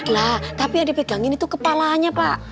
nah tapi yang dipegangin itu kepalanya pak